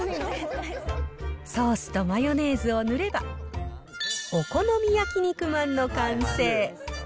ソースとマヨネーズを塗れば、お好み焼き肉まんの完成。